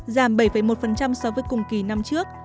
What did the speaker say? giảm bảy một so với cùng kỳ năm trước